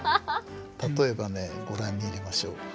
例えばねご覧に入れましょう。